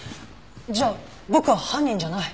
じゃあ僕は犯人じゃない？